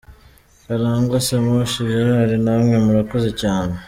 Karangwa Semushi Gerard :Namwe murakoze cyane !